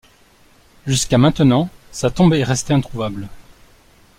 Jusqu'à maintenant, sa tombe est restée introuvable.